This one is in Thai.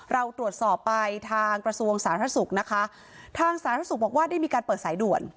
เราตรวจสอบไปทางกระทรวงสาธารณสุขนะคะทางสาธารณสุขบอกว่าได้มีการเปิดสายด่วน